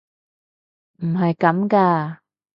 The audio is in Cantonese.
唔係咁㗎！